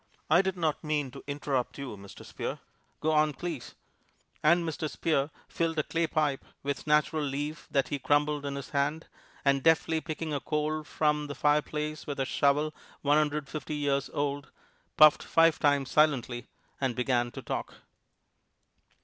I did not mean to interrupt you, Mr. Spear; go on, please!" And Mr. Spear filled a clay pipe with natural leaf that he crumbled in his hand, and deftly picking a coal from the fireplace with a shovel one hundred fifty years old, puffed five times silently, and began to talk.